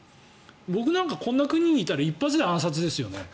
僕なんかこんな国にいたら一発で暗殺ですよね。